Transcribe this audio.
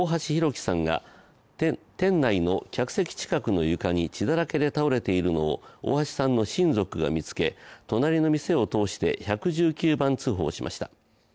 輝さんが店内の客席近くの床に血だらけで倒れているのを大橋さんの親族が見つけ、隣の店を通して１１９番通報しました。